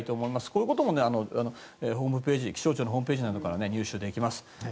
こういうことも気象庁のホームページなどから入手できます。